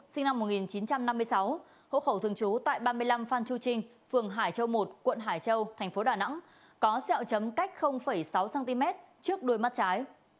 sinh năm một nghìn chín trăm năm mươi sáu hộ khẩu thường trú tại ba mươi năm phan chu trinh phường hải châu một quận hải châu thành phố đà nẵng có xeo chấm cách sáu cm trước đuôi mắt trái